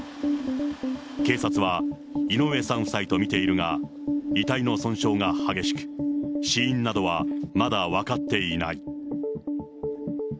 警察は、井上さん夫妻と見ているが、遺体の損傷が激しく、死因などはまだ分かっていない。